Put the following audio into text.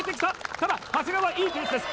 ただ長谷川いいペースです